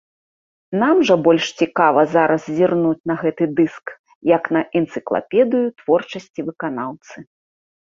Нам жа больш цікава зараз зірнуць на гэты дыск як на энцыклапедыю творчасці выканаўцы.